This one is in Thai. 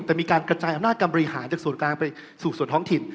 แต่มีการกระจายอำนาจการบริหารจากส่วนกลางไปสู่ส่วนท้องถิ่น